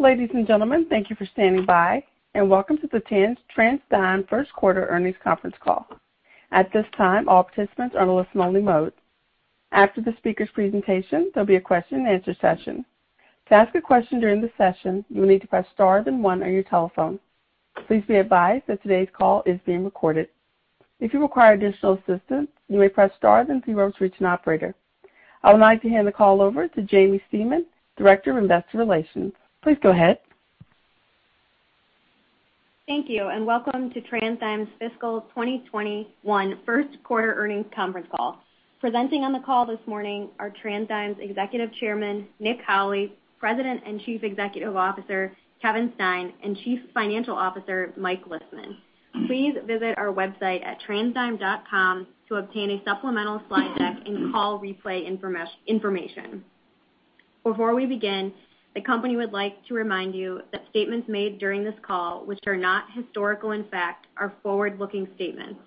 Ladies and gentlemen, thank you for standing by, and welcome to the TransDigm first quarter earnings conference call. At this time, all participants are in listen-only mode. After the speaker's presentation, there'll be a question and answer session. To ask a question during the session, you will need to press star then one on your telephone. Please be advised that today's call is being recorded. If you require additional assistance, you may press star then zero to reach an operator. I would like to hand the call over to Jaimie Stemen, Director of Investor Relations. Please go ahead. Thank you, and welcome to TransDigm's fiscal 2021 first quarter earnings conference call. Presenting on the call this morning are TransDigm's Executive Chairman, Nick Howley, President and Chief Executive Officer, Kevin Stein, and Chief Financial Officer, Mike Lisman. Please visit our website at transdigm.com to obtain a supplemental slide deck and call replay information. Before we begin, the company would like to remind you that statements made during this call, which are not historical in fact, are forward-looking statements.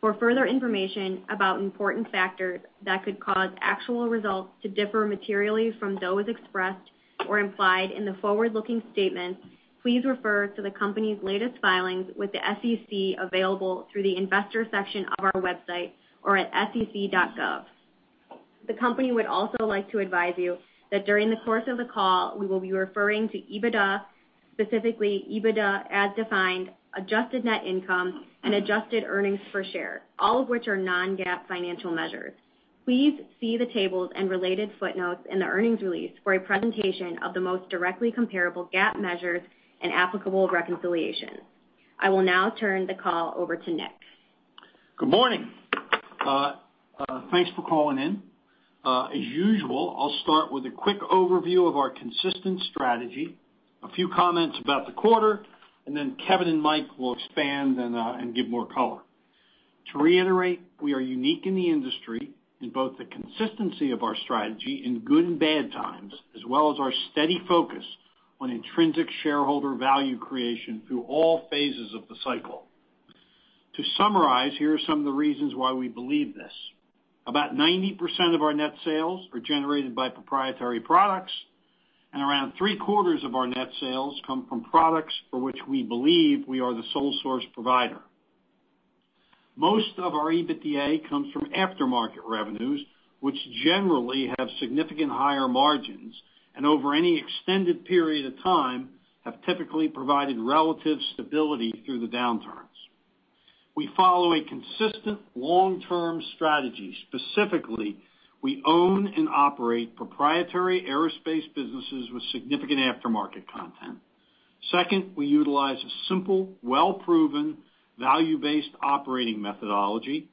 For further information about important factors that could cause actual results to differ materially from those expressed or implied in the forward-looking statements, please refer to the company's latest filings with the SEC available through the investor section of our website or at sec.gov. The company would also like to advise you that during the course of the call, we will be referring to EBITDA, specifically EBITDA as defined, adjusted net income, and adjusted earnings per share, all of which are non-GAAP financial measures. Please see the tables and related footnotes in the earnings release for a presentation of the most directly comparable GAAP measures and applicable reconciliations. I will now turn the call over to Nick. Good morning. Thanks for calling in. As usual, I'll start with a quick overview of our consistent strategy, a few comments about the quarter, and then Kevin and Mike will expand and give more color. To reiterate, we are unique in the industry in both the consistency of our strategy in good and bad times, as well as our steady focus on intrinsic shareholder value creation through all phases of the cycle. To summarize, here are some of the reasons why we believe this. About 90% of our net sales are generated by proprietary products, and around three-quarters of our net sales come from products for which we believe we are the sole source provider. Most of our EBITDA comes from aftermarket revenues, which generally have significant higher margins, and over any extended period of time, have typically provided relative stability through the downturns. We follow a consistent long-term strategy. Specifically, we own and operate proprietary aerospace businesses with significant aftermarket content. Second, we utilize a simple, well-proven, value-based operating methodology.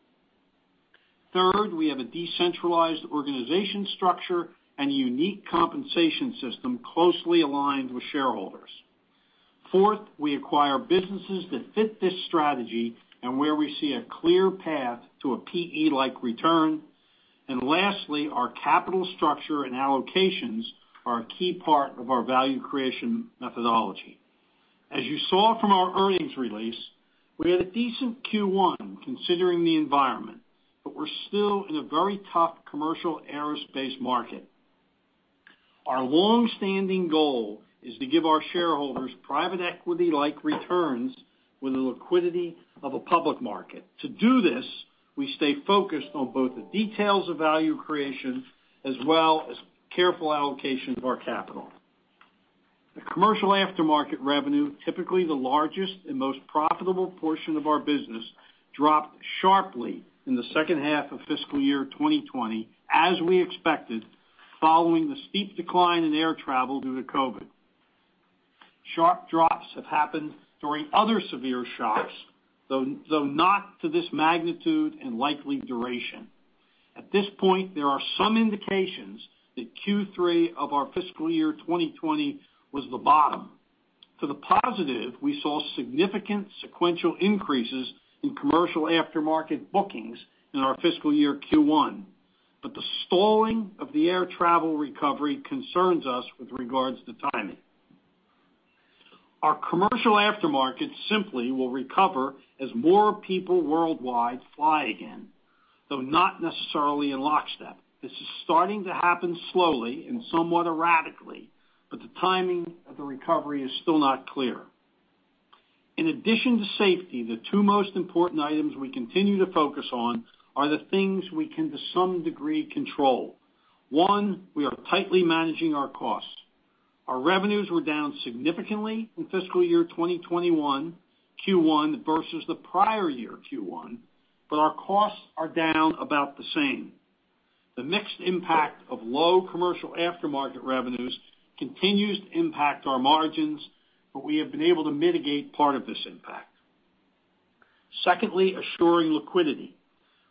Third, we have a decentralized organization structure and a unique compensation system closely aligned with shareholders. Fourth, we acquire businesses that fit this strategy and where we see a clear path to a PE-like return. Lastly, our capital structure and allocations are a key part of our value creation methodology. As you saw from our earnings release, we had a decent Q1 considering the environment, but we're still in a very tough commercial aerospace market. Our longstanding goal is to give our shareholders private equity-like returns with the liquidity of a public market. To do this, we stay focused on both the details of value creation as well as careful allocation of our capital. The commercial aftermarket revenue, typically the largest and most profitable portion of our business, dropped sharply in the second half of fiscal year 2020, as we expected, following the steep decline in air travel due to COVID. Sharp drops have happened during other severe shocks, though not to this magnitude and likely duration. At this point, there are some indications that Q3 of our fiscal year 2020 was the bottom. To the positive, we saw significant sequential increases in commercial aftermarket bookings in our fiscal year Q1, but the stalling of the air travel recovery concerns us with regards to timing. Our commercial aftermarket simply will recover as more people worldwide fly again, though not necessarily in lockstep. This is starting to happen slowly and somewhat erratically, but the timing of the recovery is still not clear. In addition to safety, the two most important items we continue to focus on are the things we can, to some degree, control. One, we are tightly managing our costs. Our revenues were down significantly in fiscal year 2021 Q1 versus the prior year Q1, but our costs are down about the same. The mixed impact of low commercial aftermarket revenues continues to impact our margins, but we have been able to mitigate part of this impact. Secondly, assuring liquidity.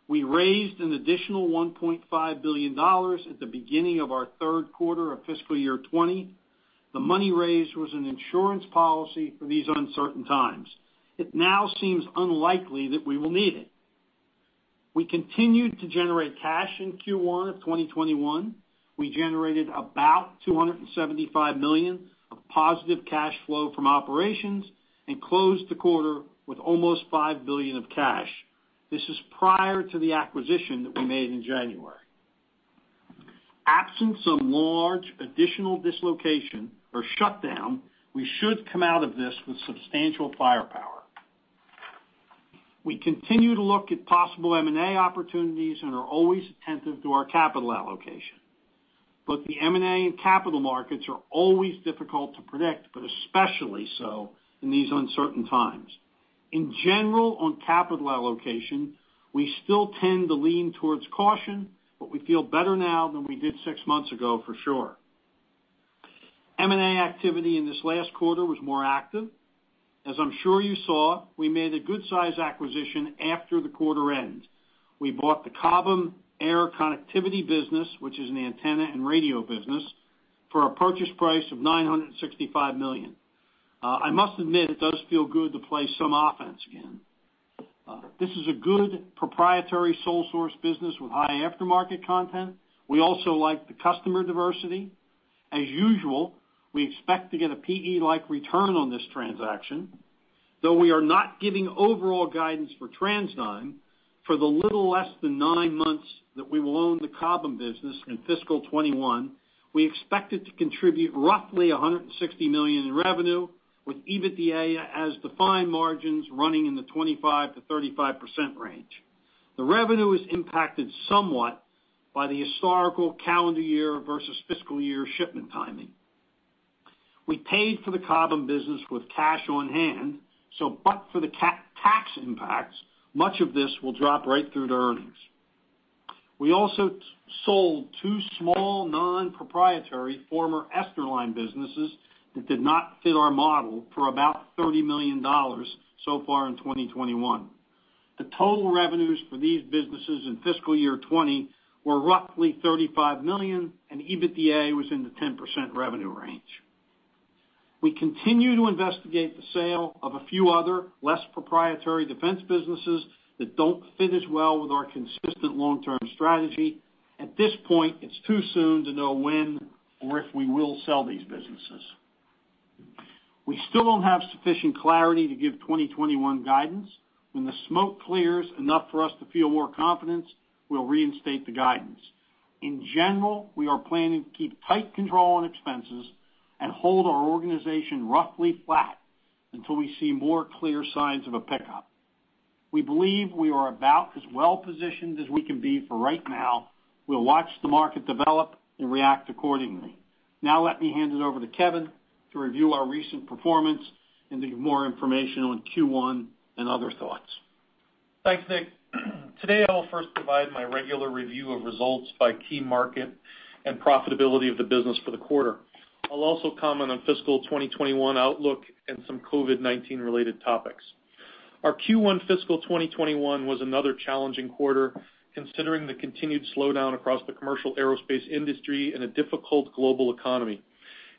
We raised an additional $1.5 billion at the beginning of our third quarter of fiscal year 2020. The money raised was an insurance policy for these uncertain times. It now seems unlikely that we will need it. We continued to generate cash in Q1 of 2021. We generated about $275 million positive cash flow from operations, and closed the quarter with almost $5 billion of cash. This is prior to the acquisition that we made in January. Absence of large additional dislocation or shutdown, we should come out of this with substantial firepower. The M&A and capital markets are always difficult to predict, but especially so in these uncertain times. In general, on capital allocation, we still tend to lean towards caution, but we feel better now than we did six months ago for sure. M&A activity in this last quarter was more active. As I'm sure you saw, we made a good size acquisition after the quarter end. We bought the Cobham Aero Connectivity business, which is an antenna and radio business, for a purchase price of $965 million. I must admit, it does feel good to play some offense again. This is a good proprietary sole source business with high aftermarket content. We also like the customer diversity. As usual, we expect to get a PE-like return on this transaction. Though we are not giving overall guidance for TransDigm, for the little less than nine months that we will own the Cobham business in fiscal 2021, we expect it to contribute roughly $160 million in revenue, with EBITDA as defined margins running in the 25%-35% range. The revenue is impacted somewhat by the historical calendar year versus fiscal year shipment timing. We paid for the Cobham business with cash on hand. But for the tax impacts, much of this will drop right through to earnings. We also sold two small non-proprietary former Esterline businesses that did not fit our model for about $30 million so far in 2021. The total revenues for these businesses in fiscal year 2020 were roughly $35 million, and EBITDA was in the 10% revenue range. We continue to investigate the sale of a few other less proprietary defense businesses that don't fit as well with our consistent long-term strategy. At this point, it's too soon to know when or if we will sell these businesses. We still don't have sufficient clarity to give 2021 guidance. When the smoke clears enough for us to feel more confidence, we'll reinstate the guidance. In general, we are planning to keep tight control on expenses and hold our organization roughly flat until we see more clear signs of a pickup. We believe we are about as well positioned as we can be for right now. We'll watch the market develop and react accordingly. Let me hand it over to Kevin to review our recent performance and give more information on Q1 and other thoughts. Thanks, Nick. Today, I'll first provide my regular review of results by key market and profitability of the business for the quarter. I'll also comment on fiscal 2021 outlook and some COVID-19 related topics. Our Q1 fiscal 2021 was another challenging quarter, considering the continued slowdown across the commercial aerospace industry in a difficult global economy.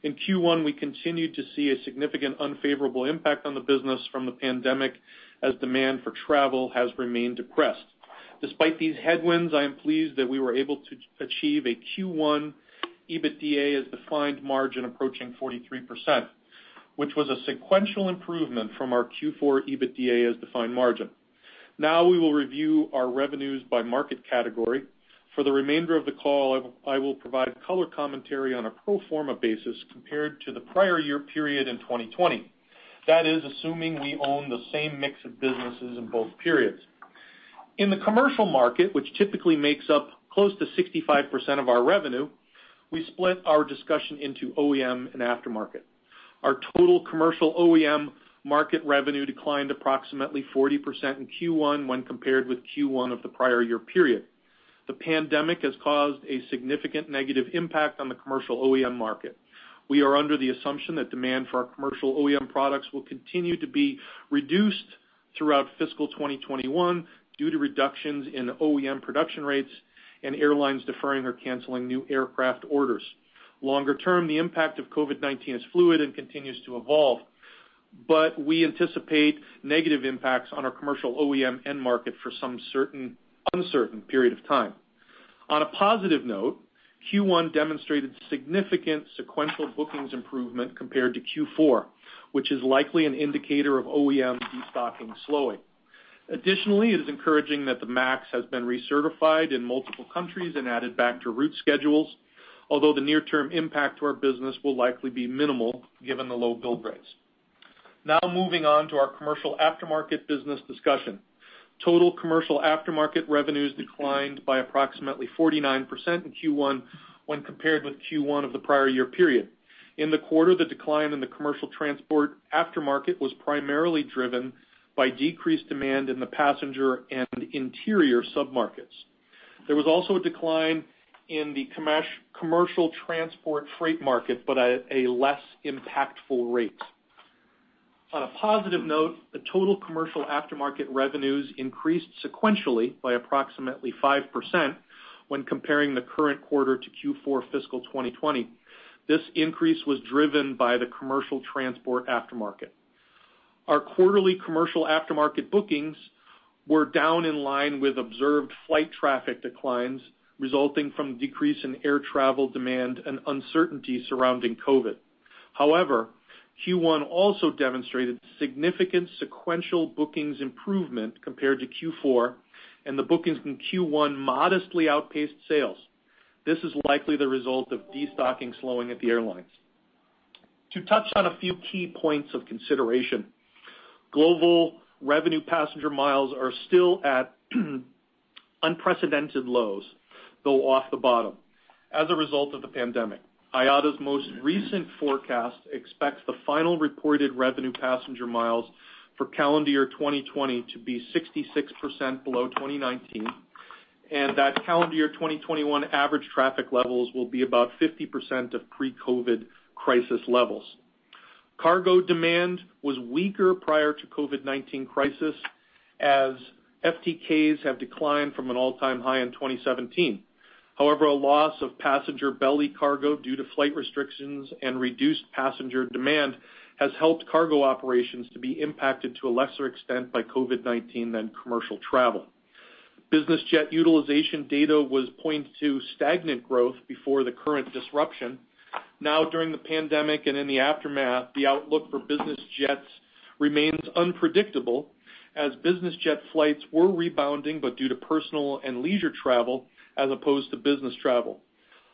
In Q1, we continued to see a significant unfavorable impact on the business from the pandemic as demand for travel has remained depressed. Despite these headwinds, I am pleased that we were able to achieve a Q1 EBITDA as defined margin approaching 43%, which was a sequential improvement from our Q4 EBITDA as defined margin. We will review our revenues by market category. For the remainder of the call, I will provide color commentary on a pro forma basis compared to the prior year period in 2020. That is assuming we own the same mix of businesses in both periods. In the commercial market, which typically makes up close to 65% of our revenue, we split our discussion into OEM and aftermarket. Our total commercial OEM market revenue declined approximately 40% in Q1 when compared with Q1 of the prior year period. The pandemic has caused a significant negative impact on the commercial OEM market. We are under the assumption that demand for our commercial OEM products will continue to be reduced throughout fiscal 2021 due to reductions in OEM production rates and airlines deferring or canceling new aircraft orders. Longer term, the impact of COVID-19 is fluid and continues to evolve, but we anticipate negative impacts on our commercial OEM end market for some uncertain period of time. On a positive note, Q1 demonstrated significant sequential bookings improvement compared to Q4, which is likely an indicator of OEM de-stocking slowing. It is encouraging that the MAX has been recertified in multiple countries and added back to route schedules, although the near-term impact to our business will likely be minimal given the low build rates. Moving on to our commercial aftermarket business discussion. Total commercial aftermarket revenues declined by approximately 49% in Q1 when compared with Q1 of the prior year period. In the quarter, the decline in the commercial transport aftermarket was primarily driven by decreased demand in the passenger and interior sub-markets. There was also a decline in the commercial transport freight market, but at a less impactful rate. On a positive note, the total commercial aftermarket revenues increased sequentially by approximately 5% when comparing the current quarter to Q4 fiscal 2020. This increase was driven by the commercial transport aftermarket. Our quarterly commercial aftermarket bookings were down in line with observed flight traffic declines resulting from decrease in air travel demand and uncertainty surrounding COVID. Q1 also demonstrated significant sequential bookings improvement compared to Q4, and the bookings in Q1 modestly outpaced sales. This is likely the result of destocking slowing at the airlines. To touch on a few key points of consideration, global revenue passenger miles are still at unprecedented lows, though off the bottom, as a result of the pandemic. IATA's most recent forecast expects the final reported revenue passenger miles for calendar year 2020 to be 66% below 2019, and that calendar year 2021 average traffic levels will be about 50% of pre-COVID crisis levels. Cargo demand was weaker prior to COVID-19 crisis, as FTKs have declined from an all-time high in 2017. However, a loss of passenger belly cargo due to flight restrictions and reduced passenger demand has helped cargo operations to be impacted to a lesser extent by COVID-19 than commercial travel. Business jet utilization data was pointing to stagnant growth before the current disruption. Now, during the pandemic and in the aftermath, the outlook for business jets remains unpredictable, as business jet flights were rebounding, but due to personal and leisure travel as opposed to business travel.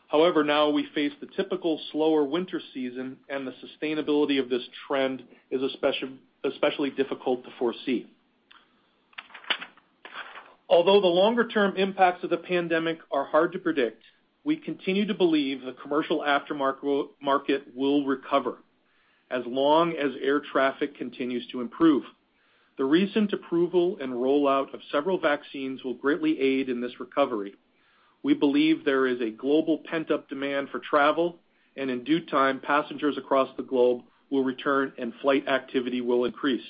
However, now we face the typical slower winter season, and the sustainability of this trend is especially difficult to foresee. Although the longer-term impacts of the pandemic are hard to predict, we continue to believe the commercial aftermarket will recover as long as air traffic continues to improve. The recent approval and rollout of several vaccines will greatly aid in this recovery. We believe there is a global pent-up demand for travel, and in due time, passengers across the globe will return, and flight activity will increase.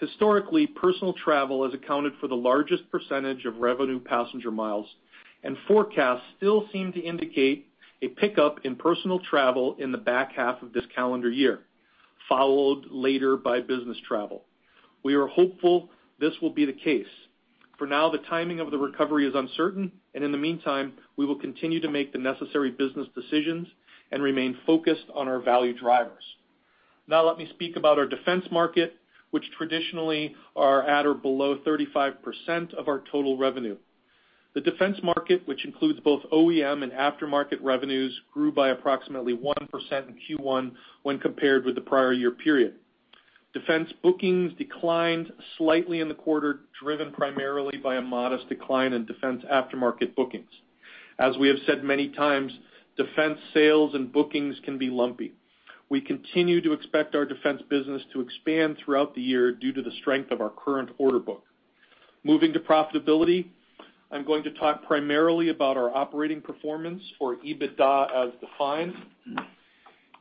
Historically, personal travel has accounted for the largest percentage of revenue passenger miles, and forecasts still seem to indicate a pickup in personal travel in the back half of this calendar year, followed later by business travel. We are hopeful this will be the case. For now, the timing of the recovery is uncertain, and in the meantime, we will continue to make the necessary business decisions and remain focused on our value drivers. Now let me speak about our defense market, which traditionally are at or below 35% of our total revenue. The defense market, which includes both OEM and aftermarket revenues, grew by approximately 1% in Q1 when compared with the prior year period. Defense bookings declined slightly in the quarter, driven primarily by a modest decline in defense aftermarket bookings. As we have said many times, defense sales and bookings can be lumpy. We continue to expect our defense business to expand throughout the year due to the strength of our current order book. Moving to profitability, I'm going to talk primarily about our operating performance for EBITDA as defined.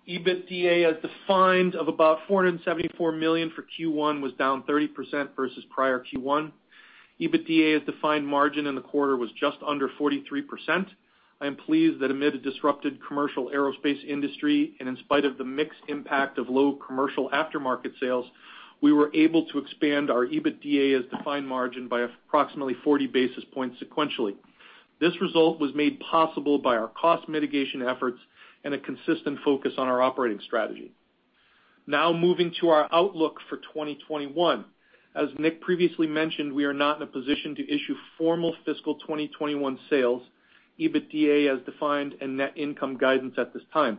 EBITDA as defined of about $474 million for Q1 was down 30% versus prior Q1. EBITDA as defined margin in the quarter was just under 43%. I am pleased that amid a disrupted commercial aerospace industry, and in spite of the mixed impact of low commercial aftermarket sales, we were able to expand our EBITDA as defined margin by approximately 40 basis points sequentially. This result was made possible by our cost mitigation efforts and a consistent focus on our operating strategy. Moving to our outlook for 2021. As Nick previously mentioned, we are not in a position to issue formal fiscal 2021 sales, EBITDA as defined and net income guidance at this time.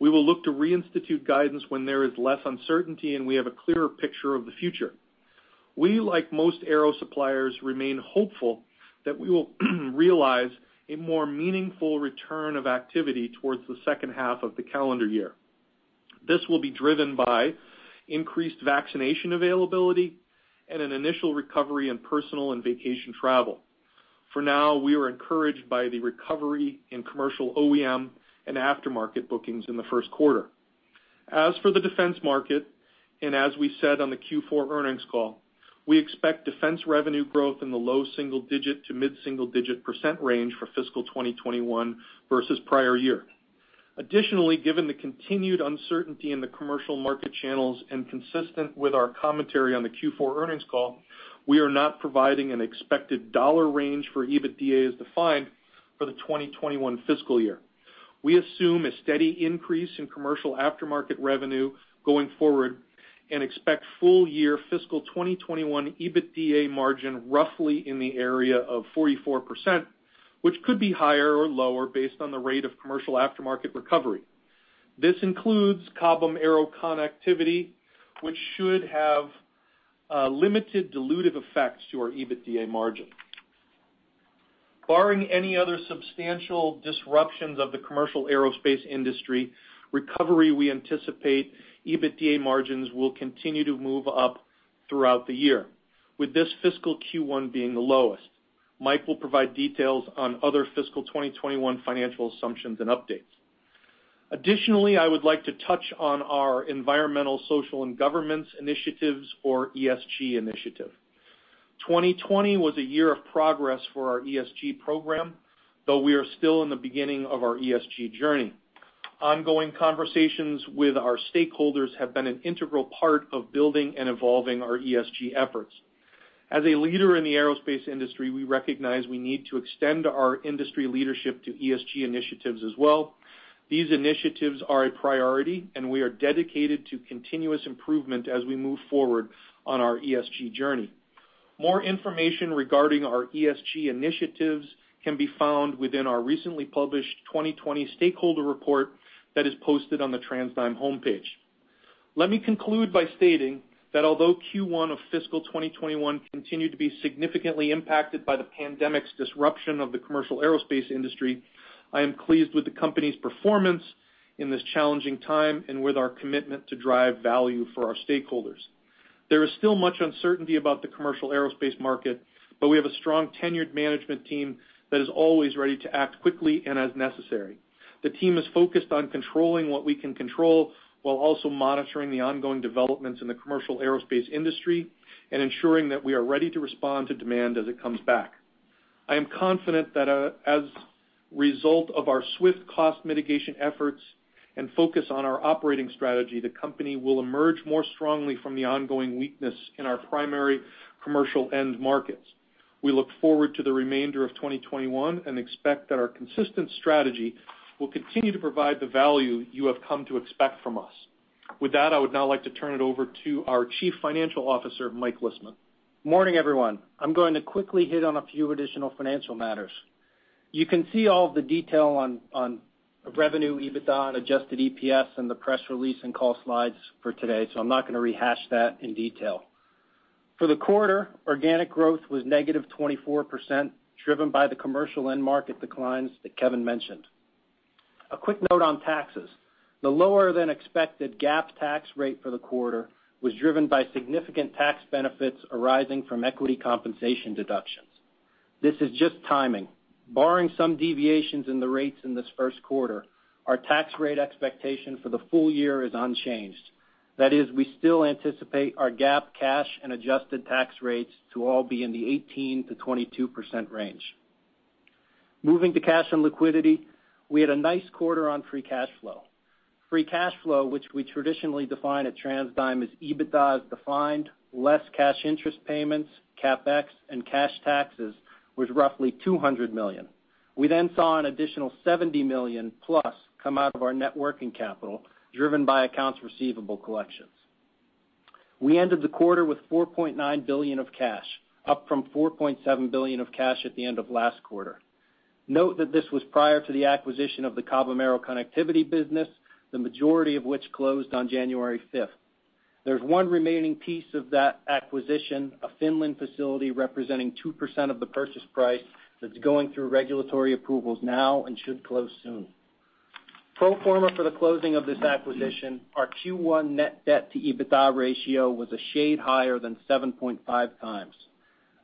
We will look to reinstitute guidance when there is less uncertainty, and we have a clearer picture of the future. We, like most aero suppliers, remain hopeful that we will realize a more meaningful return of activity towards the second half of the calendar year. This will be driven by increased vaccination availability and an initial recovery in personal and vacation travel. For now, we are encouraged by the recovery in commercial OEM and aftermarket bookings in the first quarter. As for the defense market, as we said on the Q4 earnings call, we expect defense revenue growth in the low double-digit to mid-double-digit percent range for fiscal 2021 versus prior year. Additionally, given the continued uncertainty in the commercial market channels and consistent with our commentary on the Q4 earnings call, we are not providing an expected dollar range for EBITDA as defined for the 2021 fiscal year. We assume a steady increase in commercial aftermarket revenue going forward and expect full year fiscal 2021 EBITDA margin roughly in the area of 44%, which could be higher or lower based on the rate of commercial aftermarket recovery. This includes Cobham Aero Connectivity, which should have limited dilutive effects to our EBITDA margin. Barring any other substantial disruptions of the commercial aerospace industry, recovery, we anticipate EBITDA margins will continue to move up throughout the year, with this fiscal Q1 being the lowest. Mike will provide details on other fiscal 2021 financial assumptions and updates. Additionally, I would like to touch on our environmental, social, and governance initiatives or ESG initiative. 2020 was a year of progress for our ESG program, though we are still in the beginning of our ESG journey. Ongoing conversations with our stakeholders have been an integral part of building and evolving our ESG efforts. As a leader in the aerospace industry, we recognize we need to extend our industry leadership to ESG initiatives as well. These initiatives are a priority, and we are dedicated to continuous improvement as we move forward on our ESG journey. More information regarding our ESG initiatives can be found within our recently published 2020 stakeholder report that is posted on the TransDigm homepage. Let me conclude by stating that although Q1 of fiscal 2021 continued to be significantly impacted by the pandemic's disruption of the commercial aerospace industry, I am pleased with the company's performance in this challenging time and with our commitment to drive value for our stakeholders. We have a strong tenured management team that is always ready to act quickly and as necessary. The team is focused on controlling what we can control while also monitoring the ongoing developments in the commercial aerospace industry and ensuring that we are ready to respond to demand as it comes back. I am confident that as a result of our swift cost mitigation efforts and focus on our operating strategy, the company will emerge more strongly from the ongoing weakness in our primary commercial end markets. We look forward to the remainder of 2021 and expect that our consistent strategy will continue to provide the value you have come to expect from us. With that, I would now like to turn it over to our Chief Financial Officer, Mike Lisman. Morning, everyone. I'm going to quickly hit on a few additional financial matters. You can see all of the detail on revenue, EBITDA, adjusted EPS in the press release and call slides for today, so I'm not going to rehash that in detail. For the quarter, organic growth was negative 24%, driven by the commercial end market declines that Kevin mentioned. A quick note on taxes. The lower-than-expected GAAP tax rate for the quarter was driven by significant tax benefits arising from equity compensation deductions. This is just timing. Barring some deviations in the rates in this first quarter, our tax rate expectation for the full year is unchanged. That is, we still anticipate our GAAP cash and adjusted tax rates to all be in the 18%-22% range. Moving to cash and liquidity, we had a nice quarter on free cash flow. Free cash flow, which we traditionally define at TransDigm as EBITDA as defined, less cash interest payments, CapEx, and cash taxes, was roughly $200 million. We saw an additional $70 million plus come out of our net working capital, driven by accounts receivable collections. We ended the quarter with $4.9 billion of cash, up from $4.7 billion of cash at the end of last quarter. Note that this was prior to the acquisition of the Cobham Aero Connectivity business, the majority of which closed on January 5th. There's one remaining piece of that acquisition, a Finland facility representing 2% of the purchase price that's going through regulatory approvals now and should close soon. Pro forma for the closing of this acquisition, our Q1 net debt to EBITDA ratio was a shade higher than 7.5x.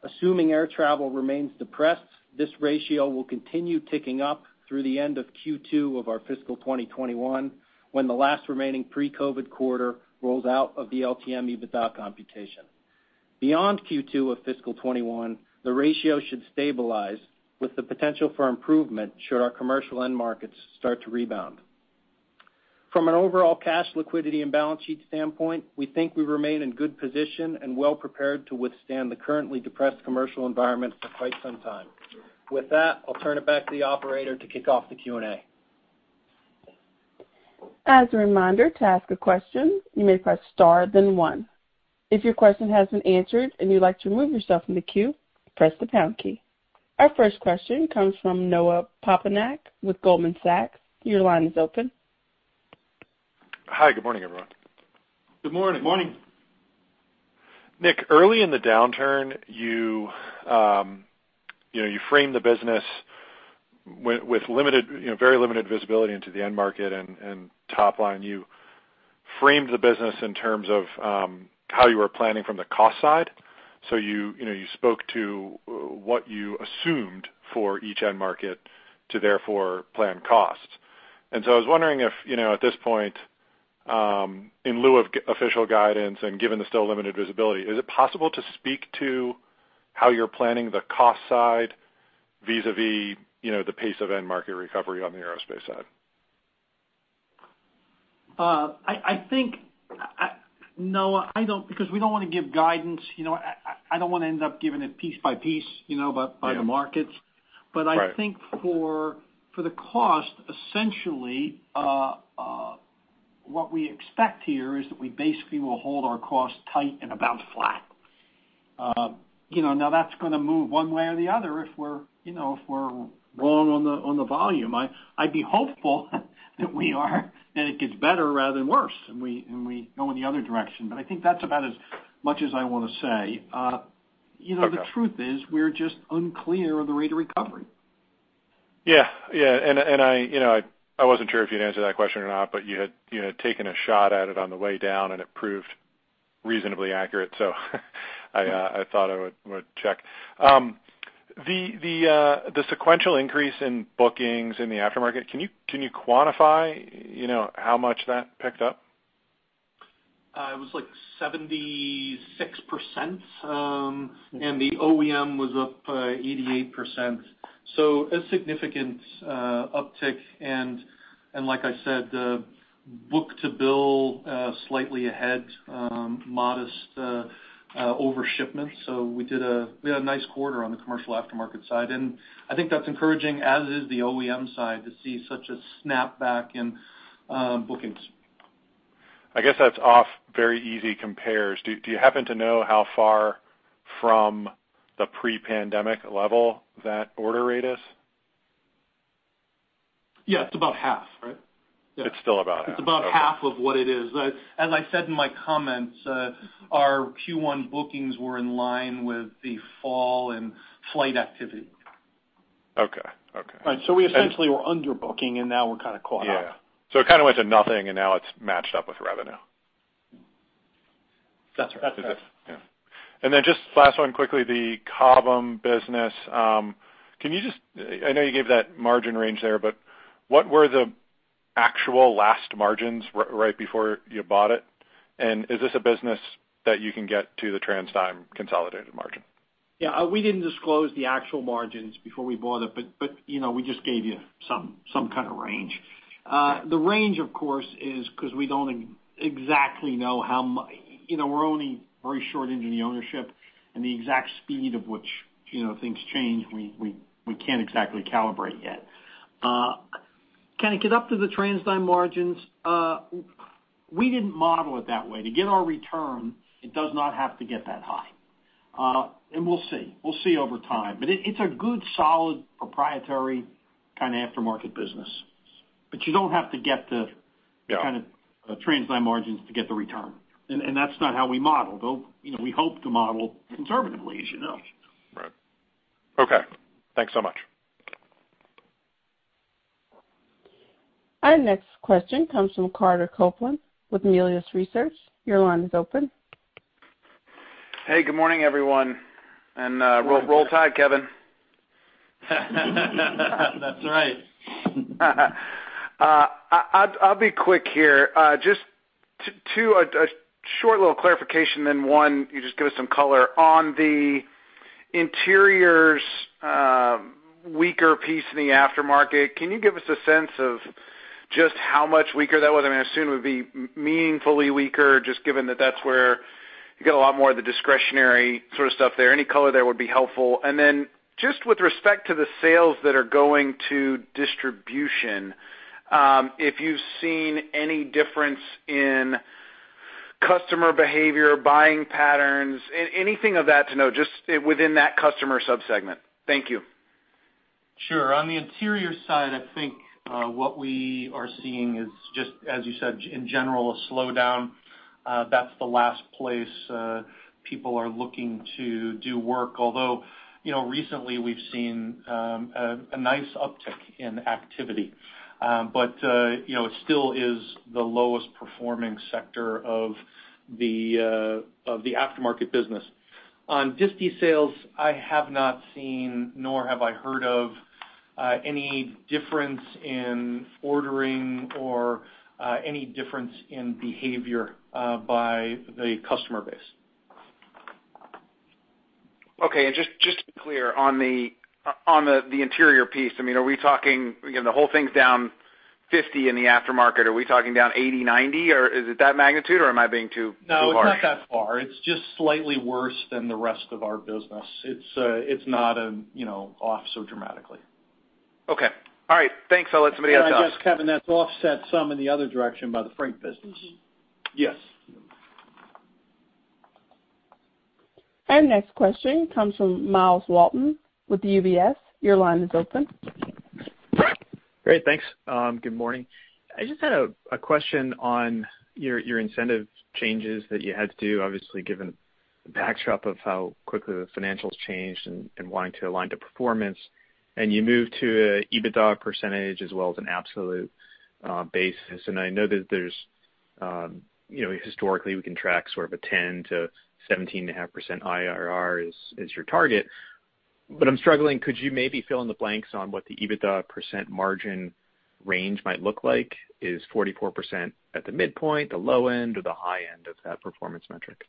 Assuming air travel remains depressed, this ratio will continue ticking up through the end of Q2 of our fiscal 2021, when the last remaining pre-COVID quarter rolls out of the LTM EBITDA computation. Beyond Q2 of fiscal 2021, the ratio should stabilize with the potential for improvement should our commercial end markets start to rebound. From an overall cash liquidity and balance sheet standpoint, we think we remain in good position and well prepared to withstand the currently depressed commercial environment for quite some time. With that, I'll turn it back to the operator to kick off the Q&A. As a reminder, to ask a question, you may press star, then one. If your question has been answered and you'd like to remove yourself from the queue, press the pound key. Our first question comes from Noah Poponak with Goldman Sachs. Your line is open. Hi, good morning, everyone. Good morning. Morning. Nick, early in the downturn, you framed the business with very limited visibility into the end market and top line. You framed the business in terms of how you were planning from the cost side. You spoke to what you assumed for each end market to therefore plan costs. I was wondering if, at this point, in lieu of official guidance and given the still limited visibility, is it possible to speak to how you're planning the cost side vis-a-vis the pace of end market recovery on the aerospace side? Noah, because we don't want to give guidance, I don't want to end up giving it piece by piece by the markets. Yeah. I think for the cost, essentially, what we expect here is that we basically will hold our costs tight and about flat. That's going to move one way or the other if we're wrong on the volume. I'd be hopeful that we are, and it gets better rather than worse, and we go in the other direction. I think that's about as much as I want to say. Okay. The truth is, we're just unclear on the rate of recovery. Yeah. I wasn't sure if you'd answer that question or not, but you had taken a shot at it on the way down, and it proved reasonably accurate. I thought I would check. The sequential increase in bookings in the aftermarket, can you quantify how much that picked up? It was like 76%, and the OEM was up 88%. A significant uptick, and like I said, book-to-bill slightly ahead, modest over-shipment. We had a nice quarter on the commercial aftermarket side, and I think that's encouraging, as is the OEM side, to see such a snapback in bookings. I guess that's off very easy compares. Do you happen to know how far from the pre-pandemic level that order rate is? Yeah. It's about half, right? Yeah. It's still about half. Okay. It's about half of what it is. As I said in my comments, our Q1 bookings were in line with the fall in flight activity. Okay. Right. We essentially were under booking, and now we're kind of caught up. Yeah. It kind of went to nothing, and now it's matched up with revenue. That's right. Yeah. Just last one quickly, the Cobham business. I know you gave that margin range there, what were the actual last margins right before you bought it? Is this a business that you can get to the TransDigm consolidated margin? Yeah. We didn't disclose the actual margins before we bought it, but we just gave you some kind of range. Okay. The range, of course, is because we're only very short into the ownership, and the exact speed of which things change, we can't exactly calibrate yet. Can it get up to the TransDigm margins? We didn't model it that way. To get our return, it does not have to get that high. We'll see. We'll see over time. It's a good, solid, proprietary kind of aftermarket business- Yeah. ...kind of TransDigm margins to get the return. That's not how we model, though we hope to model conservatively, as you know. Right. Okay. Thanks so much. Our next question comes from Carter Copeland with Melius Research. Your line is open. Hey, good morning, everyone. Roll tide, Kevin. That's right. I'll be quick here. Just two, a short little clarification, then one, you just give us some color. On the interiors weaker piece in the aftermarket, can you give us a sense of just how much weaker that was? I assume it would be meaningfully weaker, just given that that's where you get a lot more of the discretionary sort of stuff there. Any color there would be helpful. Then just with respect to the sales that are going to distribution, if you've seen any difference in customer behavior, buying patterns, anything of that to know, just within that customer sub-segment. Thank you. Sure. On the interior side, I think, what we are seeing is just as you said, in general, a slowdown. That's the last place people are looking to do work. Recently we've seen a nice uptick in activity. It still is the lowest performing sector of the aftermarket business. On disti sales, I have not seen, nor have I heard of any difference in ordering or any difference in behavior by the customer base. Okay. Just to be clear on the interior piece, are we talking the whole thing's down 50 in the aftermarket? Are we talking down 80, 90, or is it that magnitude, or am I being too harsh? It's not that far. It's just slightly worse than the rest of our business. It's not off so dramatically. Okay. All right. Thanks. I'll let somebody else ask. I guess, Kevin, that's offset some in the other direction by the freight business. Yes. Our next question comes from Myles Walton with UBS. Great. Thanks. Good morning. I just had a question on your incentive changes that you had to do, obviously, given the backdrop of how quickly the financials changed and wanting to align to performance. You moved to an EBITDA percentage as well as an absolute basis, and I know that historically we can track sort of a 10%-17.5% IRR is your target. But I'm struggling. Could you maybe fill in the blanks on what the EBITDA percent margin range might look like? Is 44% at the midpoint, the low end, or the high end of that performance metric?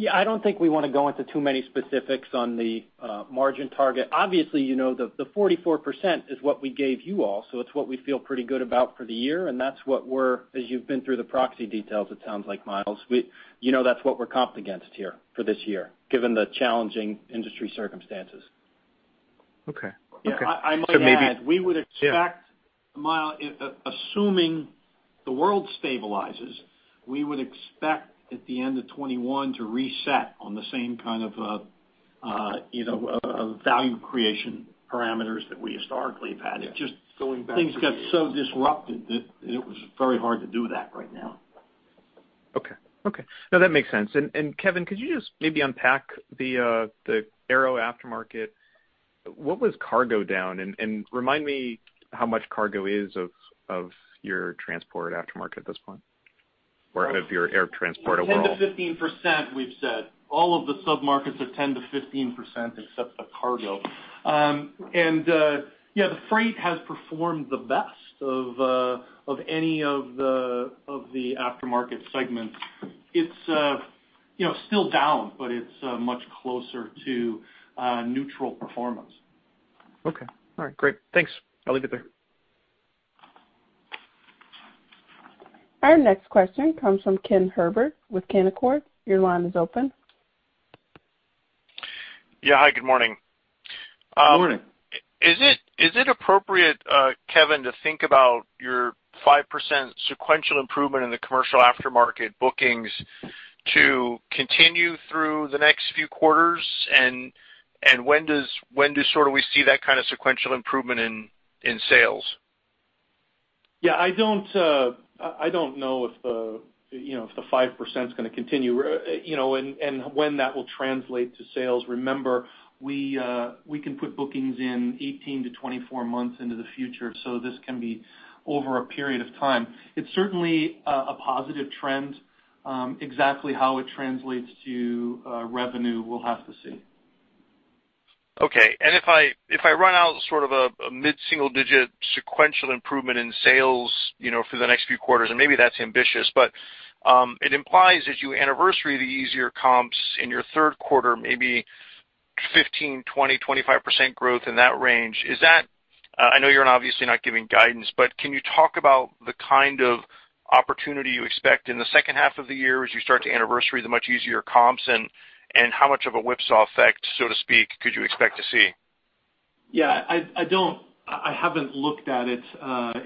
Yeah. I don't think we want to go into too many specifics on the margin target. Obviously, the 44% is what we gave you all, so it's what we feel pretty good about for the year, and that's what we're, as you've been through the proxy details, it sounds like, Myles, that's what we're comped against here for this year, given the challenging industry circumstances. Okay. I might add- So maybe- we would expect- Yeah Myles, assuming the world stabilizes, we would expect at the end of 2021 to reset on the same kind of value creation parameters that we historically have had. Yeah. Things got so disrupted that it was very hard to do that right now. Okay. No, that makes sense. Kevin, could you just maybe unpack the aero aftermarket? What was cargo down? Remind me how much cargo is of your transport aftermarket at this point. Of your air transporter world? 10%-15%, we've said. All of the sub-markets are 10%-15%, except the cargo. Yeah, the freight has performed the best of any of the aftermarket segments. It's still down, but it's much closer to neutral performance. Okay. All right. Great. Thanks. I'll leave it there. Our next question comes from Ken Herbert with Canaccord. Your line is open. Yeah. Hi, good morning. Good morning. Is it appropriate, Kevin, to think about your 5% sequential improvement in the commercial aftermarket bookings to continue through the next few quarters? When do we see that kind of sequential improvement in sales? Yeah, I don't know if the 5% is going to continue and when that will translate to sales. Remember, we can put bookings in 18-24 months into the future, so this can be over a period of time. It's certainly a positive trend. Exactly how it translates to revenue, we'll have to see. Okay. If I run out sort of a mid-single digit sequential improvement in sales for the next few quarters, and maybe that's ambitious, but it implies as you anniversary the easier comps in your third quarter, maybe 15%, 20%, 25% growth in that range. I know you're obviously not giving guidance, but can you talk about the kind of opportunity you expect in the second half of the year as you start to anniversary the much easier comps, and how much of a whipsaw effect, so to speak, could you expect to see? Yeah, I haven't looked at it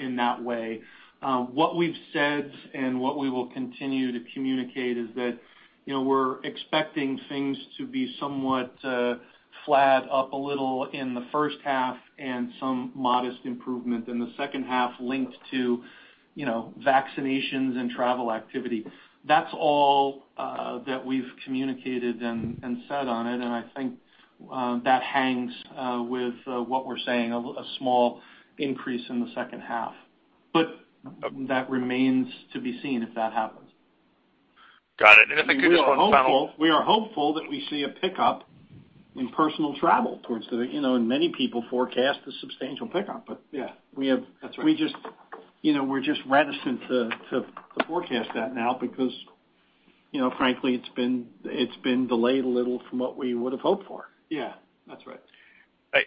in that way. What we've said and what we will continue to communicate is that we're expecting things to be somewhat flat up a little in the first half and some modest improvement in the second half linked to vaccinations and travel activity. That's all that we've communicated and said on it, and I think that hangs with what we're saying, a small increase in the second half. That remains to be seen if that happens. Got it. We are hopeful that we see a pickup in personal travel. Many people forecast a substantial pickup. Yeah. That's right. We're just reticent to forecast that now because frankly, it's been delayed a little from what we would've hoped for. Yeah. That's right.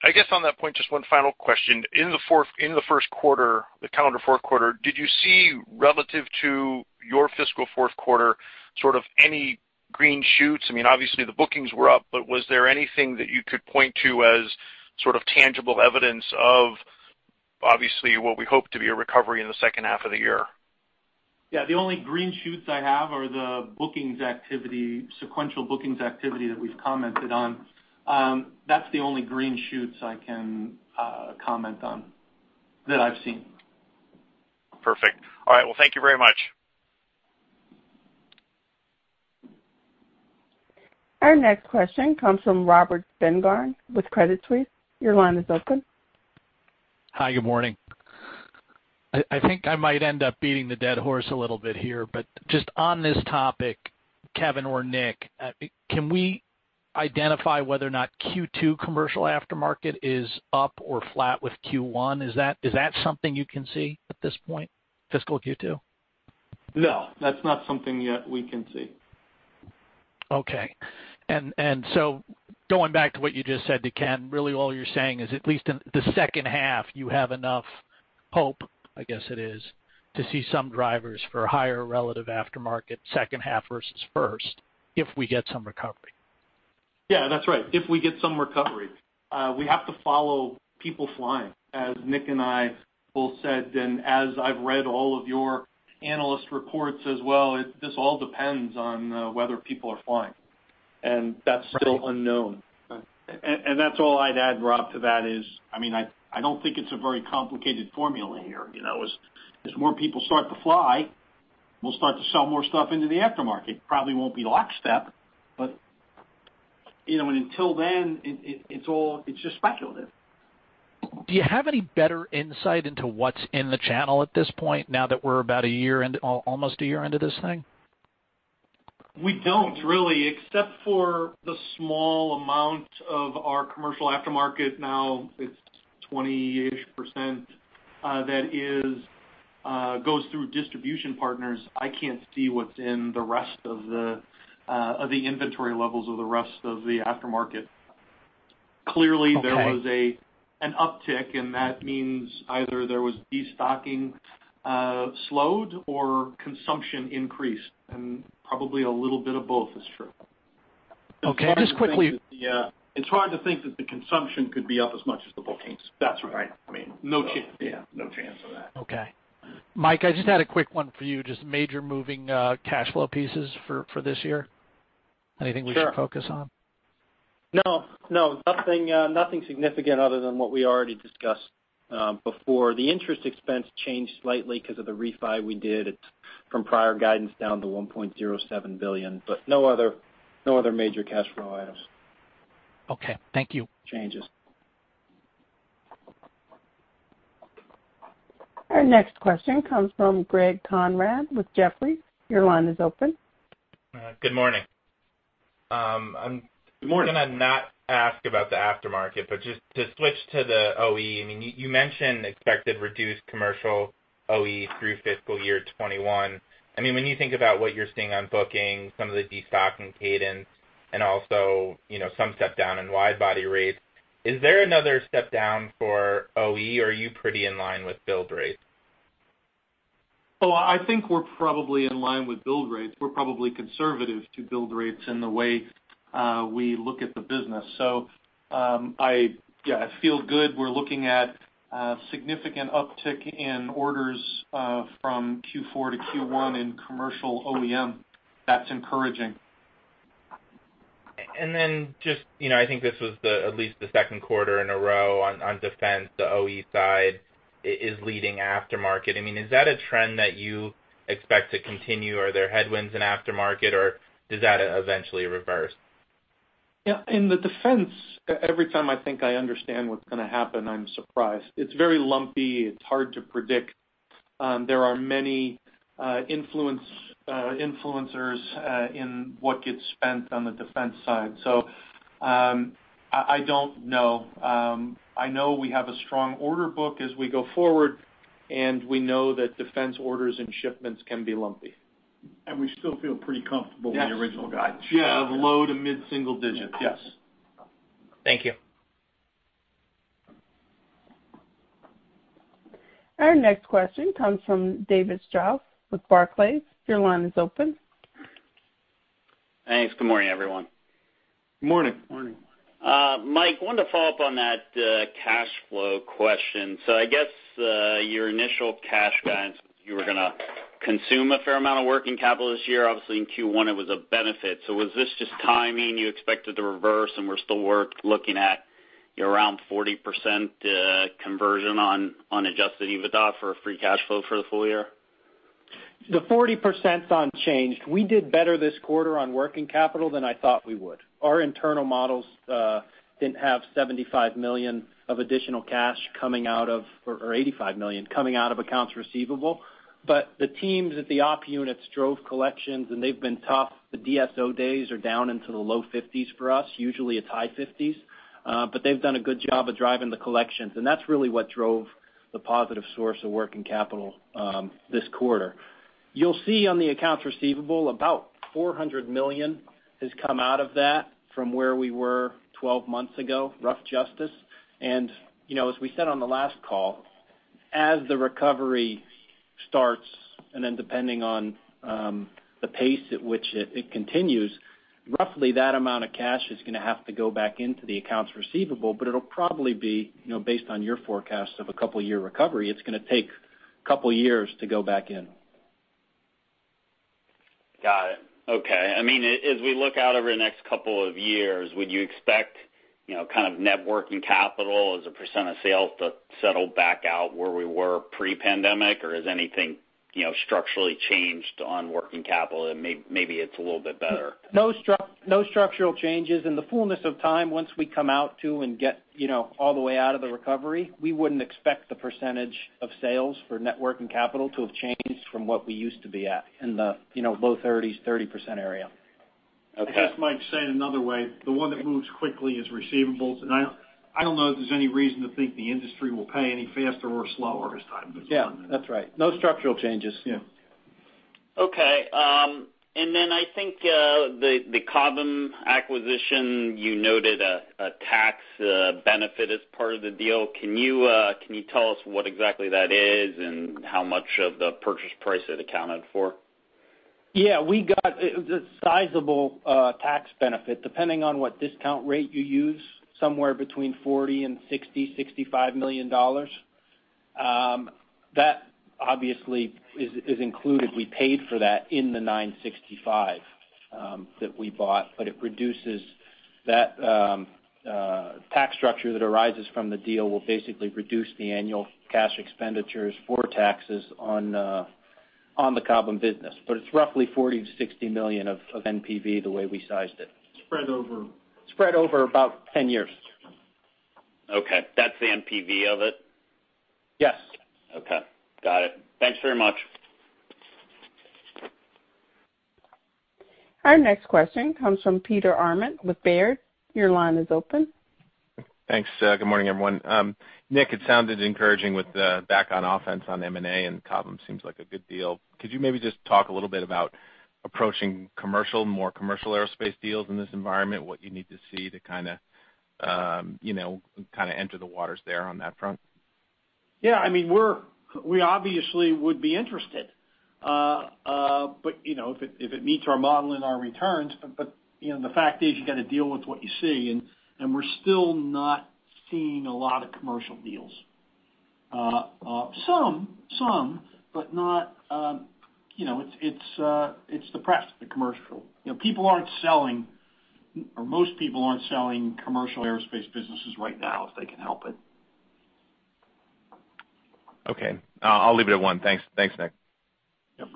I guess on that point, just one final question. In the first quarter, the calendar fourth quarter, did you see relative to your fiscal fourth quarter, sort of any green shoots? Obviously the bookings were up, but was there anything that you could point to as sort of tangible evidence of obviously what we hope to be a recovery in the second half of the year? The only green shoots I have are the bookings activity, sequential bookings activity that we've commented on. That's the only green shoots I can comment on that I've seen. Perfect. All right. Thank you very much. Our next question comes from Robert Spingarn with Credit Suisse. Your line is open. Hi, good morning. I think I might end up beating the dead horse a little bit here, but just on this topic, Kevin or Nick, can we identify whether or not Q2 commercial aftermarket is up or flat with Q1? Is that something you can see at this point, fiscal Q2? No, that's not something yet we can see. Okay. Going back to what you just said to Ken, really all you're saying is at least in the second half, you have enough hope, I guess it is, to see some drivers for higher relative aftermarket second half versus first if we get some recovery. Yeah, that's right. If we get some recovery. We have to follow people flying, as Nick and I both said, and as I've read all of your analyst reports as well, this all depends on whether people are flying, and that's still unknown. That's all I'd add, Rob, to that is, I don't think it's a very complicated formula here. As more people start to fly, we'll start to sell more stuff into the aftermarket. Probably won't be lockstep, but until then, it's just speculative. Do you have any better insight into what's in the channel at this point, now that we're about almost a year into this thing? We don't really, except for the small amount of our commercial aftermarket now, it's 20%-ish that goes through distribution partners. I can't see what's in the rest of the inventory levels of the rest of the aftermarket- Okay. ...there was an uptick, and that means either there was destocking slowed or consumption increased. Probably a little bit of both is true. Okay. It's hard to think that the consumption could be up as much as the bookings. That's right. No chance. Yeah. No chance of that. Okay. Mike, I just had a quick one for you, just major moving cash flow pieces for this year. Anything we should focus on? No. Nothing significant other than what we already discussed before. The interest expense changed slightly because of the refi we did. It's from prior guidance down to $1.07 billion. No other major cash flow items. Okay. Thank you. Changes. Our next question comes from Greg Konrad with Jefferies. Your line is open. Good morning. Good morning. I'm going to not ask about the aftermarket, but just to switch to the OE. You mentioned expected reduced commercial OE through fiscal year 2021. When you think about what you're seeing on bookings, some of the destocking cadence, and also some step down in wide-body rates, is there another step down for OE, or are you pretty in line with build rates? Well, I think we're probably in line with build rates. We're probably conservative to build rates in the way we look at the business. I feel good. We're looking at a significant uptick in orders from Q4 to Q1 in commercial OEM. That's encouraging. Just, I think this was at least the second quarter in a row on defense, the OE side is leading aftermarket. Is that a trend that you expect to continue? Are there headwinds in aftermarket, or does that eventually reverse? Yeah. In the defense, every time I think I understand what's going to happen, I'm surprised. It's very lumpy. It's hard to predict. There are many influencers in what gets spent on the defense side. I don't know. I know we have a strong order book as we go forward, and we know that defense orders and shipments can be lumpy. We still feel pretty comfortable- Yes. ...with the original guidance. Yeah, of low double-digit to mid-single digits. Yes. Thank you. Our next question comes from David Strauss with Barclays. Your line is open. Thanks. Good morning, everyone. Good morning. Morning. Mike, wanted to follow up on that cash flow question. I guess, your initial cash guidance, you were going to consume a fair amount of working capital this year. Obviously, in Q1, it was a benefit. Was this just timing, you expect it to reverse, and we're still looking at your around 40% conversion on adjusted EBITDA for a free cash flow for the full year? The 40% is unchanged. We did better this quarter on working capital than I thought we would. Our internal models didn't have $75 million of additional cash coming out of, or $85 million, coming out of accounts receivable. The teams at the op units drove collections, and they've been tough. The DSO days are down into the low 50s for us. Usually, it's high 50s. They've done a good job of driving the collections, and that's really what drove the positive source of working capital this quarter. You'll see on the accounts receivable, about $400 million has come out of that from where we were 12 months ago, rough justice. As we said on the last call, as the recovery starts, and then depending on the pace at which it continues, roughly that amount of cash is going to have to go back into the accounts receivable, but it'll probably be, based on your forecast of a couple year recovery, it's going to take a couple years to go back in. Got it. Okay. As we look out over the next couple of years, would you expect net working capital as a percent of sales to settle back out where we were pre-pandemic, or has anything structurally changed on working capital, and maybe it's a little bit better? No structural changes. In the fullness of time, once we come out to and get all the way out of the recovery, we wouldn't expect the percentage of sales for net working capital to have changed from what we used to be at, in the low 30%s, 30% area. Okay. I guess, Mike, saying it another way, the one that moves quickly is receivables. I don't know if there's any reason to think the industry will pay any faster or slower as time goes on. Yeah. That's right. No structural changes. Yeah. Okay. I think, the Cobham acquisition, you noted a tax benefit as part of the deal. Can you tell us what exactly that is and how much of the purchase price it accounted for? Yeah. We got a sizable tax benefit, depending on what discount rate you use, somewhere between $40 million-$65 million. That obviously is included. We paid for that in the $965 million that we bought, it reduces that tax structure that arises from the deal will basically reduce the annual cash expenditures for taxes on the Cobham business. It's roughly $40 million-$60 million of NPV the way we sized it. Spread over. Spread over about 10 years. Okay. That's the NPV of it? Yes. Okay. Got it. Thanks very much. Our next question comes from Peter Arment with Baird. Your line is open. Thanks. Good morning, everyone. Nick, it sounded encouraging with the back on offense on M&A, and Cobham seems like a good deal. Could you maybe just talk a little bit about approaching commercial, more commercial aerospace deals in this environment, what you need to see to kind of enter the waters there on that front? Yeah. We obviously would be interested. If it meets our model and our returns, but the fact is you got to deal with what you see, and we're still not seeing a lot of commercial deals. It's depressed, the commercial. People aren't selling, or most people aren't selling commercial aerospace businesses right now if they can help it. Okay. I'll leave it at one. Thanks. Thanks, Nick. Yep.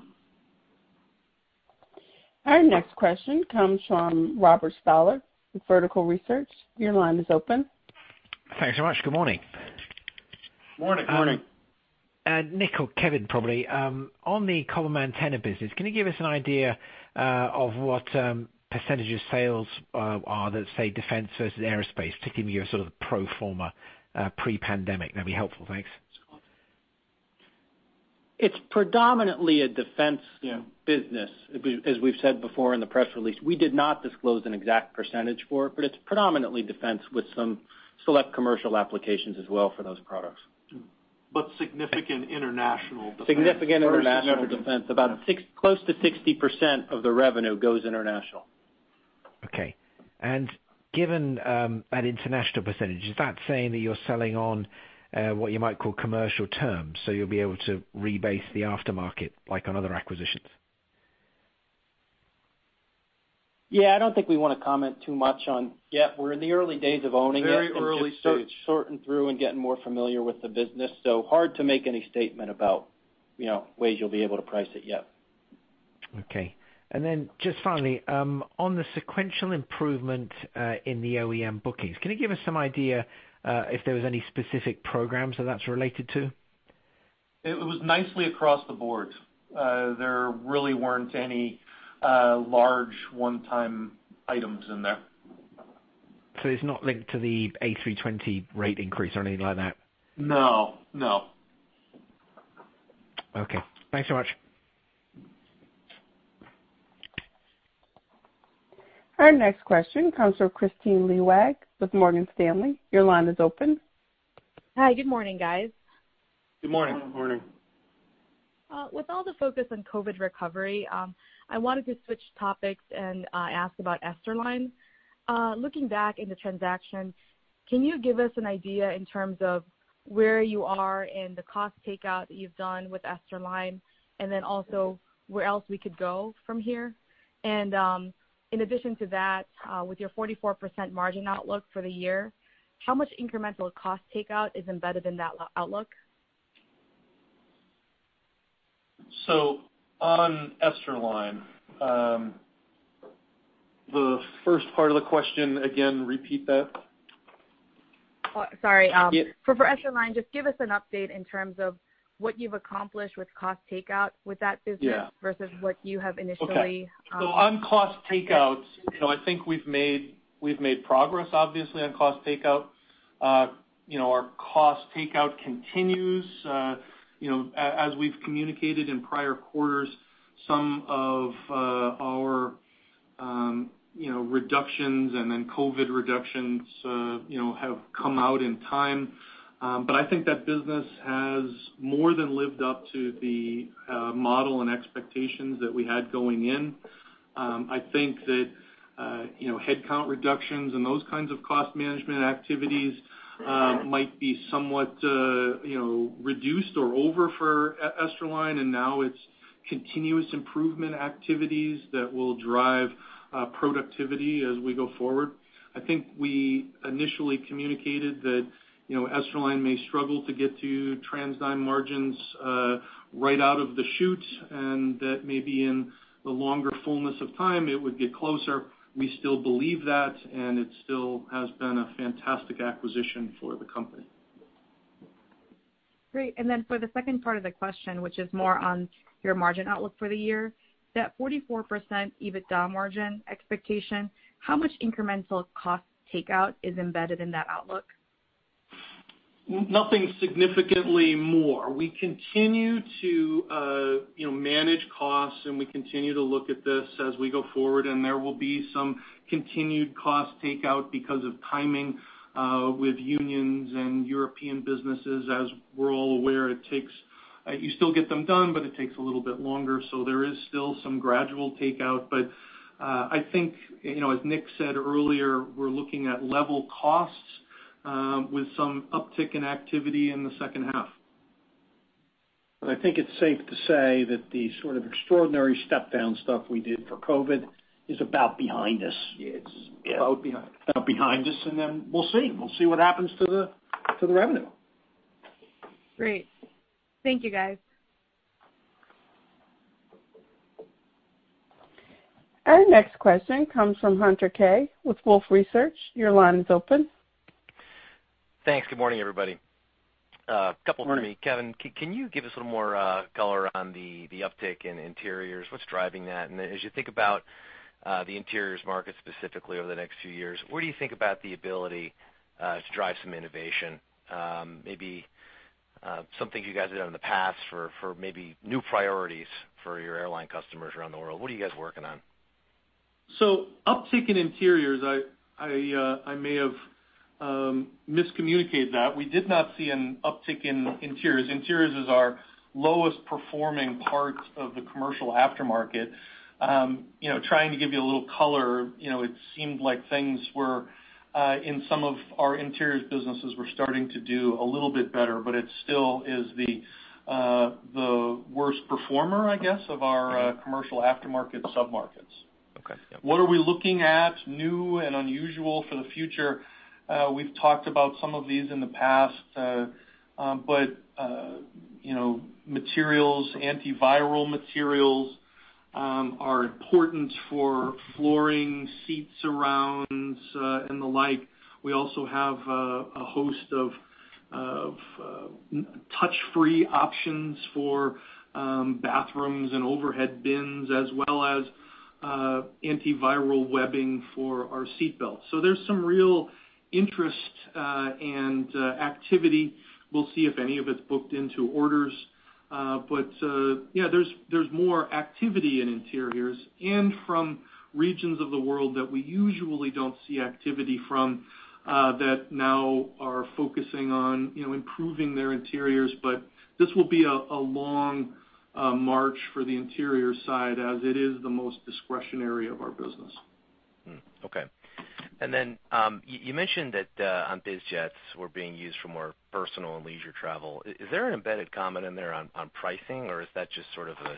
Our next question comes from Robert Stallard with Vertical Research. Your line is open. Thanks so much. Good morning. Morning. Nick or Kevin, probably. On the Cobham Aero business, can you give us an idea of what percentage of sales are, let's say, defense versus aerospace, to give me your sort of pro forma pre-pandemic? That would be helpful. Thanks. It's predominantly a defense- Yeah. ...business, as we've said before in the press release. We did not disclose an exact percentage for it, but it's predominantly defense with some select commercial applications as well for those products. Significant international defense. Significant international defense. About close to 60% of the revenue goes international. Okay. Given that international percentage, is that saying that you're selling on what you might call commercial terms, so you'll be able to rebase the aftermarket, like on other acquisitions? Yeah, I don't think we want to comment too much. Yeah, we're in the early days of owning it. Very early stage. just sorting through and getting more familiar with the business. hard to make any statement about ways you'll be able to price it yet. Okay. Just finally, on the sequential improvement in the OEM bookings, can you give us some idea if there was any specific programs that that's related to? It was nicely across the board. There really weren't any large one-time items in there. It's not linked to the A320 rate increase or anything like that? No. No. Okay. Thanks so much. Our next question comes from Kristine Liwag with Morgan Stanley. Your line is open. Hi. Good morning, guys. Good morning. Morning. With all the focus on COVID recovery, I wanted to switch topics and ask about Esterline. Looking back in the transaction, can you give us an idea in terms of where you are in the cost takeout that you've done with Esterline, and then also where else we could go from here? In addition to that, with your 44% margin outlook for the year, how much incremental cost takeout is embedded in that outlook? On Esterline, the first part of the question again, repeat that. Oh, sorry. Yeah. For Esterline, just give us an update in terms of what you've accomplished with cost takeout with that business? Yeah/ Versus what you have initially. Okay. On cost takeouts, I think we've made progress, obviously, on cost takeout. Our cost takeout continues. As we've communicated in prior quarters, some of our reductions and then COVID reductions have come out in time. I think that business has more than lived up to the model and expectations that we had going in. I think that headcount reductions and those kinds of cost management activities might be somewhat reduced or over for Esterline, and now it's continuous improvement activities that will drive productivity as we go forward. I think we initially communicated that Esterline may struggle to get to TransDigm margins right out of the chute, and that maybe in the longer fullness of time, it would get closer. We still believe that, and it still has been a fantastic acquisition for the company. Great. For the second part of the question, which is more on your margin outlook for the year, that 44% EBITDA margin expectation, how much incremental cost takeout is embedded in that outlook? Nothing significantly more. We continue to manage costs, and we continue to look at this as we go forward, and there will be some continued cost takeout because of timing with unions and European businesses. As we're all aware, you still get them done, but it takes a little bit longer, so there is still some gradual takeout. I think as Nick said earlier, we're looking at level costs with some uptick in activity in the second half. I think it's safe to say that the sort of extraordinary step-down stuff we did for COVID is about behind us. It's about behind. About behind us, and then we'll see. We'll see what happens to the revenue. Great. Thank you, guys. Our next question comes from Hunter Keay with Wolfe Research. Thanks. Good morning, everybody. Morning. A couple for me. Kevin, can you give us a little more color on the uptick in interiors? What's driving that? As you think about the interiors market specifically over the next few years, what do you think about the ability to drive some innovation? Maybe some things you guys have done in the past for maybe new priorities for your airline customers around the world. What are you guys working on? Uptick in interiors, I may have miscommunicated that. We did not see an uptick in interiors. Interiors is our lowest performing part of the commercial aftermarket. Trying to give you a little color, it seemed like things were, in some of our interiors businesses, were starting to do a little bit better, but it still is the worst performer, I guess, of our commercial aftermarket submarkets. Okay. Yeah. What are we looking at new and unusual for the future? We've talked about some of these in the past. Materials, antiviral materials are important for flooring, seat surrounds, and the like. We also have a host of touch-free options for bathrooms and overhead bins, as well as antiviral webbing for our seatbelts. There's some real interest and activity. We'll see if any of it's booked into orders. Yeah, there's more activity in interiors and from regions of the world that we usually don't see activity from, that now are focusing on improving their interiors. This will be a long march for the interior side, as it is the most discretionary of our business. Okay. You mentioned that on biz jets were being used for more personal and leisure travel. Is there an embedded comment in there on pricing, or is that just sort of an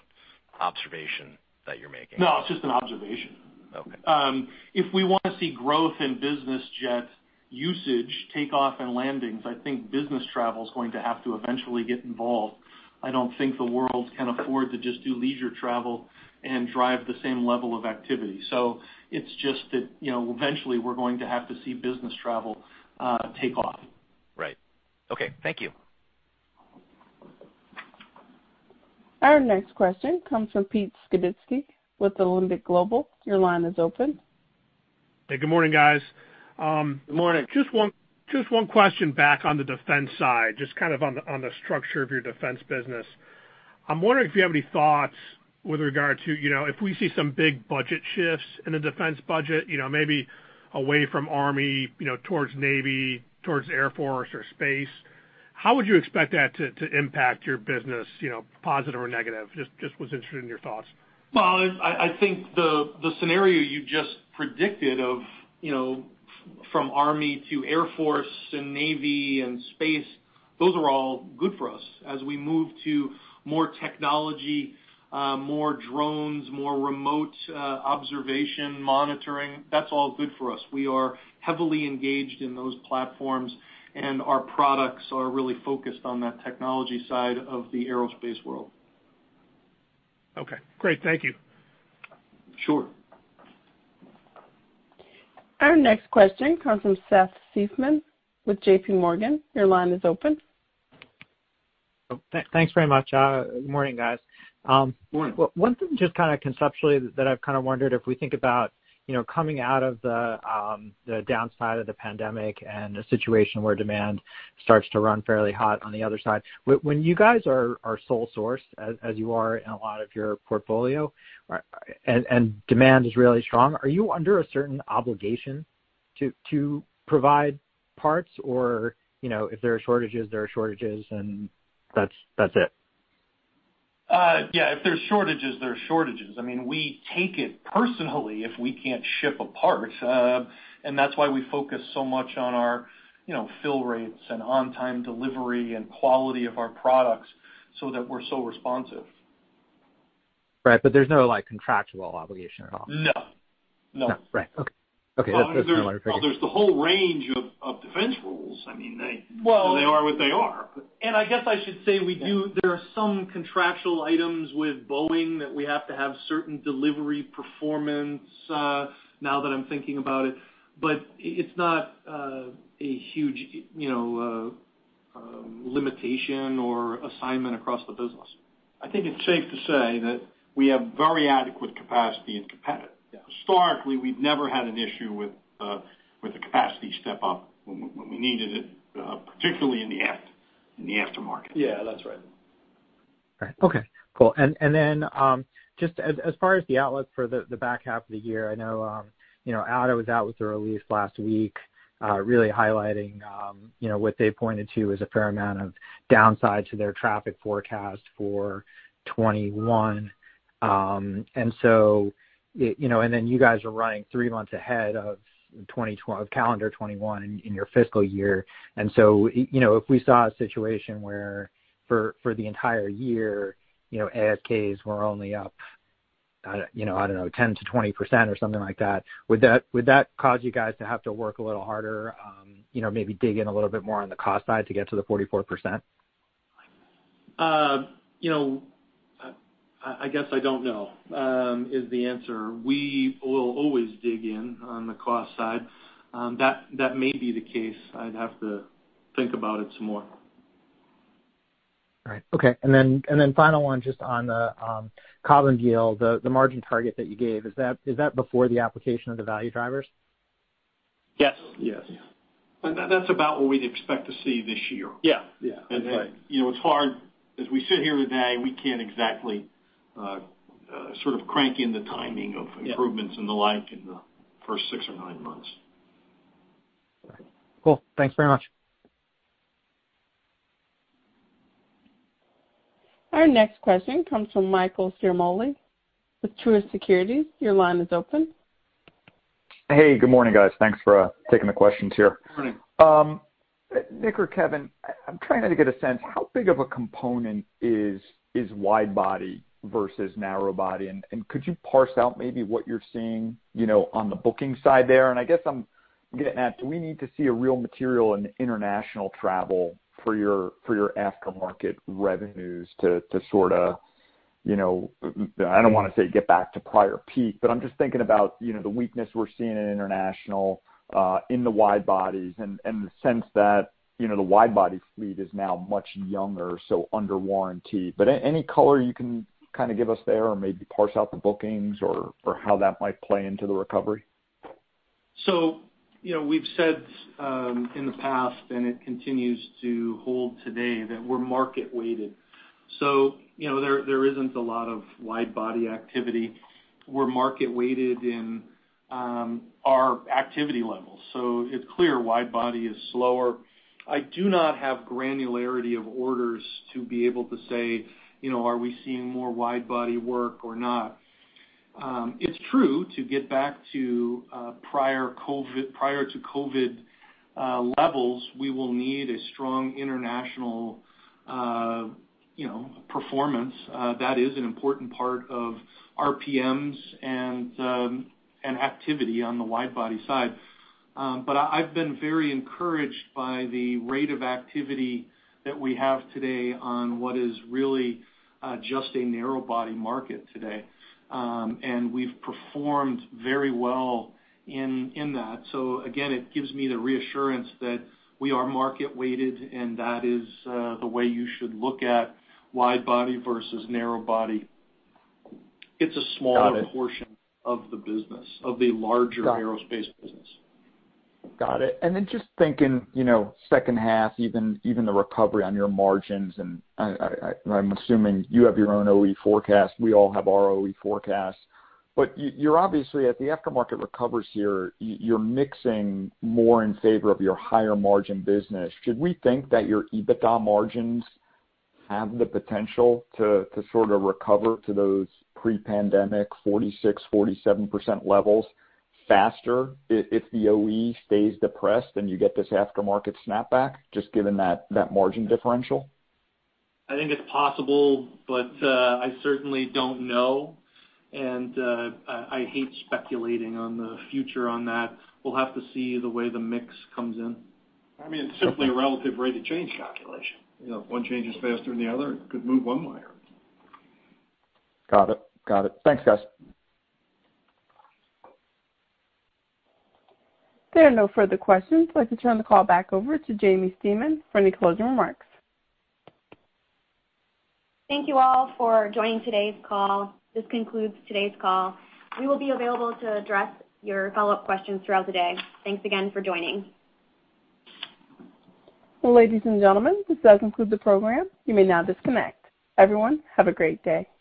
observation that you're making? No, it's just an observation. Okay. If we want to see growth in business jet usage, takeoff, and landings, I think business travel's going to have to eventually get involved. I don't think the world can afford to just do leisure travel and drive the same level of activity. It's just that, eventually we're going to have to see business travel take off. Right. Okay. Thank you. Our next question comes from Pete Skibitski with Alembic Global. Your line is open. Hey, good morning, guys. Good morning. Just one question back on the defense side, just kind of on the structure of your defense business. I'm wondering if you have any thoughts with regard to if we see some big budget shifts in the defense budget, maybe away from Army, towards Navy, towards Air Force or Space, how would you expect that to impact your business, positive or negative? Just was interested in your thoughts. Well, I think the scenario you just predicted of from Army to Air Force and Navy and Space, those are all good for us. As we move to more technology, more drones, more remote observation monitoring, that's all good for us. We are heavily engaged in those platforms, and our products are really focused on that technology side of the aerospace world. Okay, great. Thank you. Sure. Our next question comes from Seth Seifman with JPMorgan. Your line is open. Thanks very much. Morning, guys. Morning. One thing just kind of conceptually that I've kind of wondered if we think about coming out of the downside of the pandemic and a situation where demand starts to run fairly hot on the other side. When you guys are sole source, as you are in a lot of your portfolio, and demand is really strong, are you under a certain obligation to provide parts? Or, if there are shortages, there are shortages, and that's it? Yeah, if there's shortages, there are shortages. We take it personally if we can't ship a part. That's why we focus so much on our fill rates and on-time delivery and quality of our products so that we're so responsive. Right, there's no contractual obligation at all? No. No. Right. Okay. That's what I wanted to make sure. Well, there's the whole range of defense rules. They are what they are. I guess I should say there are some contractual items with Boeing that we have to have certain delivery performance, now that I'm thinking about it. It's not a huge limitation or assignment across the business. I think it's safe to say that we have very adequate capacity and competitive. Yeah. Historically, we've never had an issue with a capacity step-up when we needed it, particularly in the aftermarket. Yeah, that's right. Right. Okay, cool. Just as far as the outlook for the back half of the year, I know IATA was out with a release last week, really highlighting what they pointed to as a fair amount of downside to their traffic forecast for 2021. You guys are running three months ahead of calendar 2021 in your fiscal year. If we saw a situation where for the entire year, ASKs were only up, I don't know, 10%-20% or something like that, would that cause you guys to have to work a little harder, maybe dig in a little bit more on the cost side to get to the 44%? I guess I don't know is the answer. We will always dig in on the cost side. That may be the case. I'd have to think about it some more. All right. Okay. Then final one, just on the Cobham deal, the margin target that you gave. Is that before the application of the value drivers? Yes. Yes. That's about what we'd expect to see this year. Yeah. As we sit here today, we can't exactly sort of crank in the timing of improvements and the like in the first six or nine months. All right. Cool. Thanks very much. Our next question comes from Michael Ciarmoli with Truist Securities. Your line is open. Hey, good morning, guys. Thanks for taking the questions here. Morning. Nick or Kevin, I'm trying to get a sense how big of a component is wide body versus narrow body? Could you parse out maybe what you're seeing on the booking side there? I guess I'm getting at, do we need to see a real material in international travel for your aftermarket revenues to sort of, I don't want to say get back to prior peak, but I'm just thinking about the weakness we're seeing in international, in the wide bodies and the sense that the wide body fleet is now much younger, so under warranty. Any color you can give us there or maybe parse out the bookings or how that might play into the recovery? We've said in the past, and it continues to hold today, that we're market weighted. There isn't a lot of wide body activity. We're market weighted in our activity levels. It's clear wide body is slower. I do not have granularity of orders to be able to say, are we seeing more wide body work or not? It's true, to get back to prior to COVID levels, we will need a strong international performance. That is an important part of RPMs and activity on the wide body side. I've been very encouraged by the rate of activity that we have today on what is really just a narrow body market today. We've performed very well in that. Again, it gives me the reassurance that we are market weighted, and that is the way you should look at wide body versus narrow body. It's a smaller- Got it. portion of the business, of the larger- Got it. aerospace business. Got it. Just thinking, second half, even the recovery on your margins, I'm assuming you have your own OE forecast. We all have our OE forecasts. You're obviously, as the aftermarket recovers here, you're mixing more in favor of your higher margin business. Should we think that your EBITDA margins have the potential to sort of recover to those pre-pandemic 46%, 47% levels faster if the OE stays depressed and you get this aftermarket snapback, just given that margin differential? I think it's possible, but I certainly don't know. I hate speculating on the future on that. We'll have to see the way the mix comes in. I mean, it's simply a relative rate of change calculation. If one changes faster than the other, it could move one way or another. Got it. Thanks, guys. There are no further questions. I'd like to turn the call back over to Jaimie Stemen for any closing remarks. Thank you all for joining today's call. This concludes today's call. We will be available to address your follow-up questions throughout the day. Thanks again for joining. Ladies and gentlemen, this does conclude the program. You may now disconnect. Everyone, have a great day.